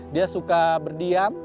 dia suka berdiam